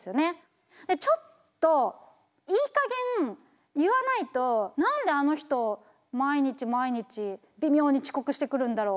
ちょっといいかげん言わないと「何であの人毎日毎日微妙に遅刻してくるんだろう？